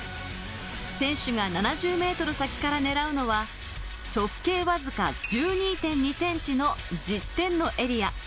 選手が７０ｍ先から狙うのは、直径わずか１２．２ｃｍの１０点のエリア。